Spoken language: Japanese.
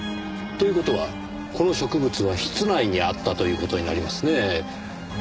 という事はこの植物は室内にあったという事になりますね。